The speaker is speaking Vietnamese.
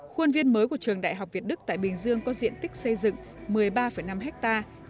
khuôn viên mới của trường đại học việt đức tại bình dương có diện tích xây dựng một mươi ba năm hectare